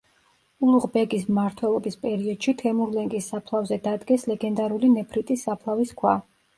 ულუღ ბეგის მმართველობის პერიოდში თემურლენგის საფლავზე დადგეს ლეგენდარული ნეფრიტის საფლავის ქვა.